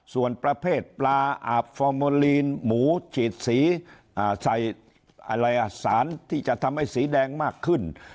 ส่วนประเภทปลาอาบฟอร์โมลีนหมูฉีดสีใส่อะไรอ่ะสารที่จะทำให้สีแดงมากขึ้น